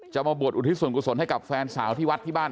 มาบวชอุทิศส่วนกุศลให้กับแฟนสาวที่วัดที่บ้าน